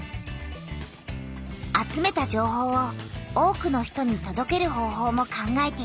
集めた情報を多くの人にとどける方ほうも考えている。